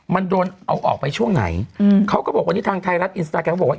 มันโดนเอาออกไปช่วงไหนอืมเขาก็บอกวันนี้ทางไทยรัฐอินสตาแกรมเขาบอกว่า